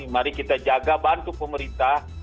mari kita jaga bantu pemerintah